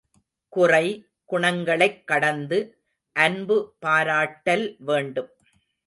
குறை, குணங்களைக் கடந்து அன்பு பாராட்டல் வேண்டும்.